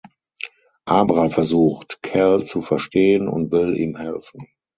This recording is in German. Abra versucht, Cal zu verstehen, und will ihm helfen.